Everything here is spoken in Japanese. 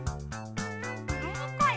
なにこれ？